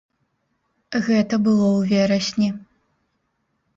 Гэта было ў верасні.